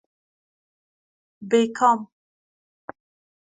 بی کام